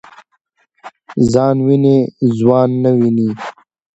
ځان وینی خوان نه ويني .